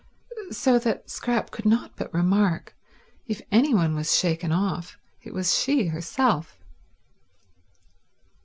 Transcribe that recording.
So that, Scrap could not but remark, if any one was shaken off it was she herself.